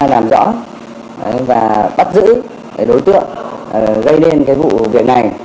làm rõ và bắt giữ đối tượng gây nên cái vụ việc này